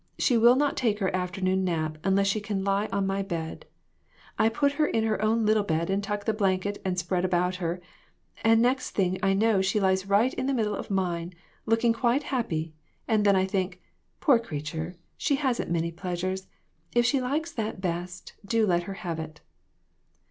She will not take her afternoon nap unless she can lie on my bed. I put her in her own little bed and tuck the blanket and spread about her, and the next thing I know she lies right in the middle of mine, look ing quite happy, and then I think :' Poor creature, she hasn't many pleasures ; if she likes that best, do let her have it.'